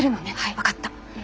分かった。